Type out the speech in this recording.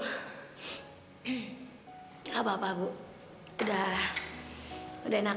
sampai saat indonesia muhammad